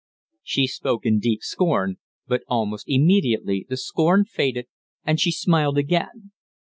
She spoke in deep scorn; but almost immediately the scorn faded and she smiled again.